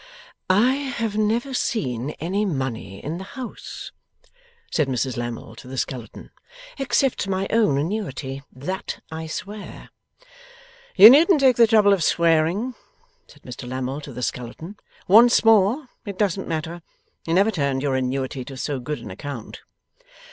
'I have never seen any money in the house,' said Mrs Lammle to the skeleton, 'except my own annuity. That I swear.' 'You needn't take the trouble of swearing,' said Mr Lammle to the skeleton; 'once more, it doesn't matter. You never turned your annuity to so good an account.